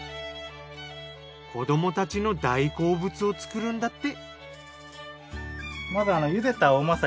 子どもたちの大好物を作るんだって。